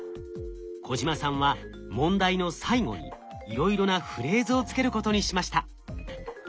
小島さんは問題の最後にいろいろなフレーズを付けることにしました。